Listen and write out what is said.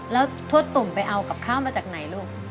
แล้วทวดตุ่มไปเอากับข้าวมาจากไหนลูก